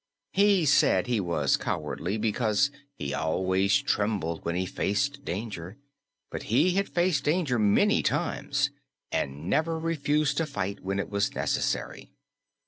He said he was cowardly because he always trembled when he faced danger, but he had faced danger many times and never refused to fight when it was necessary.